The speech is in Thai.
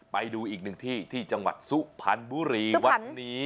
ไปดูอีกหนึ่งที่ที่จังหวัดสุพรรณบุรีวัดนี้